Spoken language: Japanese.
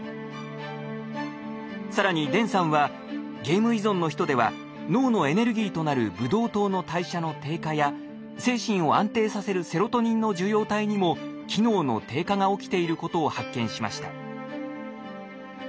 更に田さんはゲーム依存の人では脳のエネルギーとなるブドウ糖の代謝の低下や精神を安定させるセロトニンの受容体にも機能の低下が起きていることを発見しました。